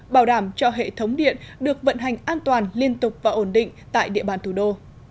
bảo đảm cho hệ thống điện được vận hành an toàn liên tục và ổn định tại địa bàn thủ đô